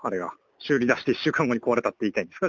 修理出して１週間後に壊れたって言いたいんですか？